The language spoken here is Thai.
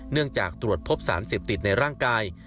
เนื่องจากตรวจพบสารเสพติดในร่างกาย